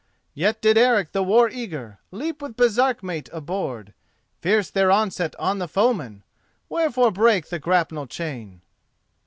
Yet did Eric the war eager Leap with Baresark mate aboard, Fierce their onset on the foemen! Wherefore brake the grapnel chain?"